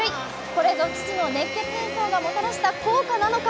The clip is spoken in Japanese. これぞ父の熱血演奏がもたらした効果なのか？